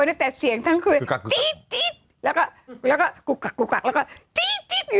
เนื้อแต่เสียงทั้งคืนแล้วก็แล้วก็กุกกักกุกกักแล้วก็อยู่นี่